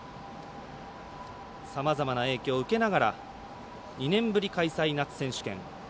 さまざまな影響を受けながら２年ぶり開催、夏選手権。